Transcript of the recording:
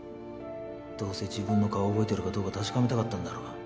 どうせ自分の顔を覚えてるかどうか確かめたかったんだろ。